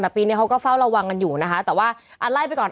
แต่ปีนี้เขาก็เฝ้าระวังกันอยู่นะคะแต่ว่าอันไล่ไปก่อน